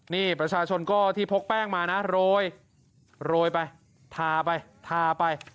นี่ประชาชนก็ที่พกแป้งมานะโรยโรยไปทาไปทาไป